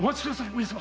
上様。